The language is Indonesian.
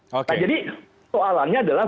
nah jadi soalannya adalah